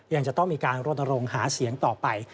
ยังจะต้องมีการรณรงค์หาเสียงต่อไป